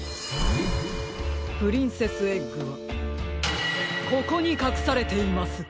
プリンセスエッグはここにかくされています！